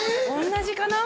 同じかな？